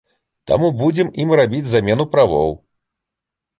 Таму будзем ім рабіць замену правоў.